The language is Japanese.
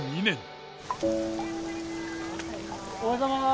おはようございます！